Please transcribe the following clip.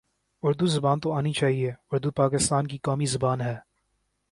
اردو زبان تو آنی چاہیے اردو پاکستان کی قومی زبان ہے